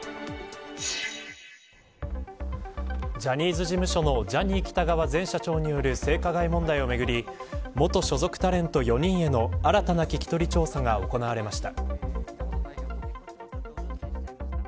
ジャニーズ事務所のジャニー喜多川前社長による性加害問題をめぐり元所属タレント４人への新たな聞き取り調査が行われました。